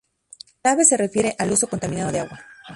En aves se refiere al uso contaminado de agua.